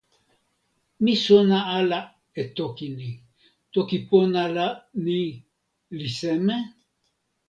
mi sona ala e toki ni. toki pona la ni li seme?